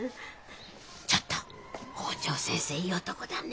ちょっと校長先生いい男だね。